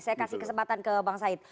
saya kasih kesempatan ke bang said